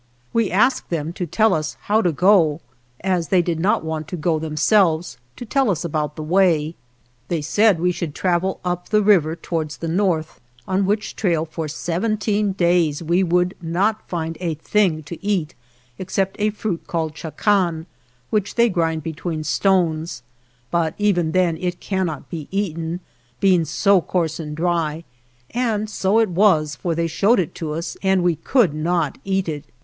We asked them to tell us how to go, as they did not want to go them selves, to tell us about the way. They said we should travel up the river towards the north, on which trail for seven teen days we would not find a thing to eat, except a fruit called chacan, which they grind between stones ; but even then it can not be eaten, being so coarse and dry ; and so it was, for they showed it to us and we could not eat it.